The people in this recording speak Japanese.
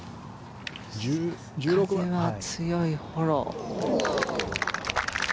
風は強いフォロー。